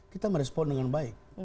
kita merespon dengan baik